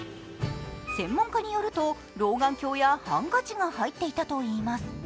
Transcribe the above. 専門家によると、老眼鏡やハンカチが入っていたといいます。